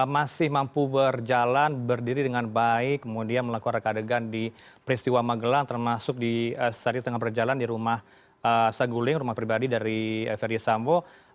masih mampu berjalan berdiri dengan baik kemudian melakukan rekadegan di peristiwa magelang termasuk saat ini tengah berjalan di rumah saguling rumah pribadi dari ferdisambo